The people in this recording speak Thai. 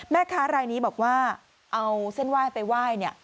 แม่ค้ารายนี้บอกว่าเอาเส้นไหว้ไปไหว้เนี่ย